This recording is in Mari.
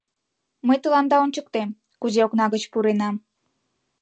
Мый тыланда ончыктем, кузе окна гыч пуренам...